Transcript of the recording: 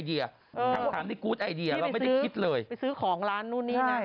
เราไม่ได้คิดเลยไปซื้อของร้านนู่นนี่น่ะ